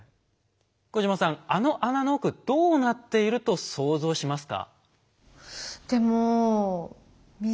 小島さんあの穴の奥どうなっていると想像しますか？